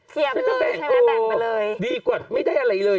เขียบเลยใช่ไหมแบ่งมาเลยโอาวดีกว่าไม่ได้อะไรอีกเลย